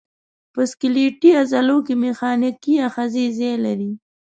په سکلیټي عضلو کې میخانیکي آخذې ځای لري.